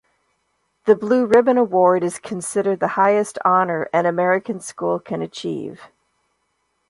The Blue Ribbon award is considered the highest honor an American school can achieve.